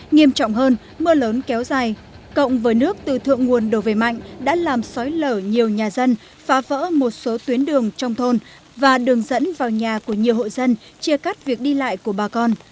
nghiêm trọng hơn mưa lớn kéo dài cộng với nước từ thượng nguồn đổ về mạnh đã làm sói lở nhiều nhà dân phá vỡ một số tuyến đường trong thôn và đường dẫn vào nhà của nhiều hộ dân chia cắt việc đi lại của bà con